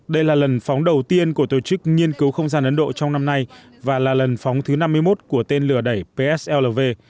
đây là lần phóng đầu tiên của tổ chức nghiên cứu không gian ấn độ trong năm nay và là lần phóng thứ năm mươi một của tên lửa đẩy pslv